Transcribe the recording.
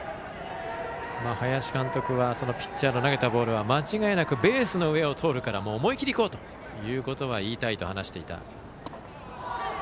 林監督はピッチャーの投げたボールは間違いなくベースの上を通るからもう思い切り行こうということは言いたいと話していました。